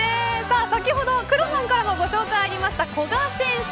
先ほど、くらもんからもご紹介がありました古賀選手。